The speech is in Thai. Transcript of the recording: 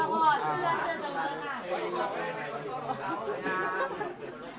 สวัสดีครับ